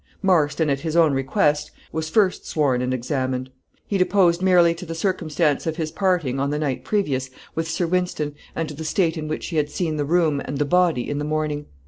Marston, at his own request, was first sworn and examined. He deposed merely to the circumstance of his parting, on the night previous, with Sir Wynston, and to the state in which he had seen the room and the body in the morning.